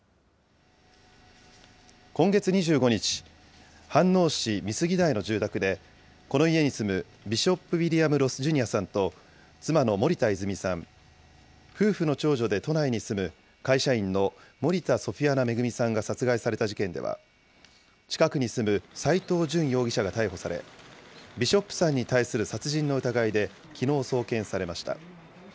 今月２５日、飯能市美杉台の住宅で、この家に住むビショップ・ウィリアム・ロス・ジュニアさんと、妻の森田泉さん、夫婦の長女で都内に住む、会社員の森田ソフィアナ恵さんが殺害された事件では、近くに住む斎藤淳容疑者が逮捕され、ビショップさんに対する殺人の疑いで、きのう送検されました。